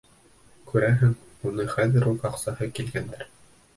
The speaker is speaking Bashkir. Күрәһең, уны хәҙер үк асҡыһы килгәндер.